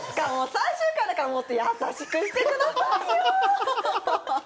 最終回だからもっと優しくしてくださいよ